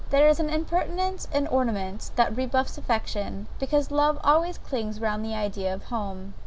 There is an impertinence in ornaments that rebuffs affection; because love always clings round the idea of home.